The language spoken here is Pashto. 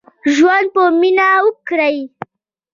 ژوند په مينه وکړئ.